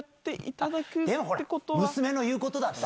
でも娘の言うことだったら。